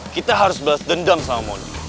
kita harus balas dendam sama mony